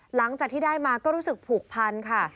หลังจากที่ได้มาก็รู้สึกผูกพันค่ะ